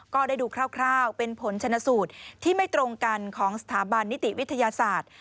ก็ได้ดูคร่าวเป็นผลชนสูตรที่ไม่ตรงกันของสถาบันนิติวิทยาศาสตร์